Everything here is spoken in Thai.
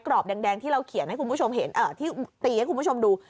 กรอบแดงที่เราเขียนให้คุณผู้ชมเห็นที่ตีให้คุณผู้ชมดู